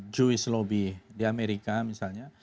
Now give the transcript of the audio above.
joyce lobby di amerika misalnya